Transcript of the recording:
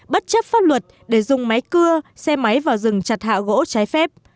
bất chấp pháp luật để dùng máy cưa xe máy vào rừng chặt hạ gỗ trái phép